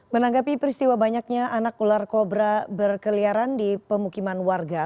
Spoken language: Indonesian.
menanggapi peristiwa banyaknya anak ular kobra berkeliaran di pemukiman warga